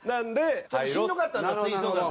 ちょっとしんどかったんだ吹奏楽は。